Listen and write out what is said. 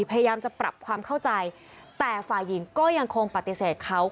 พยายามจะปรับความเข้าใจแต่ฝ่ายหญิงก็ยังคงปฏิเสธเขา